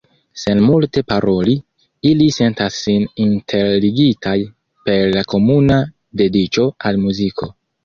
Sen multe paroli, ili sentas sin interligitaj per la komuna dediĉo al muziko.